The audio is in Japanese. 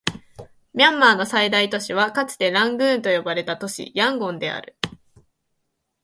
ミャンマーの最大都市はかつてラングーンと呼ばれた都市、ヤンゴンである